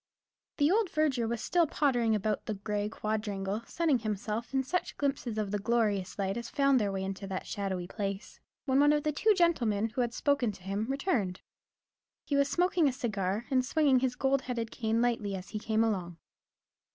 The old verger was still pottering about the grey quadrangle, sunning himself in such glimpses of the glorious light as found their way into that shadowy place, when one of the two gentlemen who had spoken to him returned. He was smoking a cigar, and swinging his gold headed cane lightly as he came along.